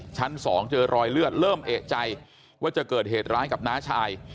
ชั้น๒เจอรอยเลือดเริ่มเอกใจว่าจะเกิดเหตุร้ายกับน้าชาย